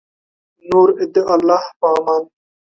نور د الله په امان